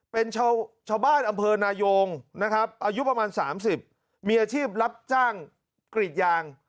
เป็นชาวบ้านอำเภอนายงนะครับอายุประมาณ๓๐มีอาชีพรับจ้างกรีดยาง